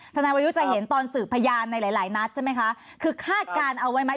ทนายวรยุทธ์จะเห็นตอนสืบพยานในหลายหลายนัดใช่ไหมคะคือคาดการณ์เอาไว้ไหม